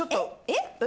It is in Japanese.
えっ？